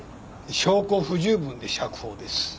証拠不十分で釈放です。